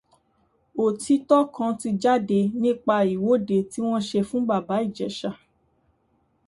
Òtítọ́ kan ti jáde nípa ìwọ́de tí wọ́n ṣe fún Bàbá Ìjẹ̀shà